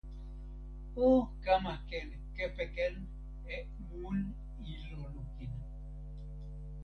o kama ken kepeken e mun ilo lukin